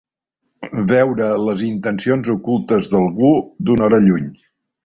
Veure les intencions ocultes d'algú d'una hora lluny.